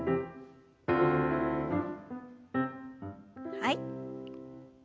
はい。